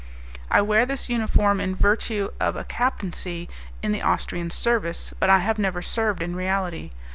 "I wear this uniform in virtue of a captaincy in the Austrian service, but I have never served in reality.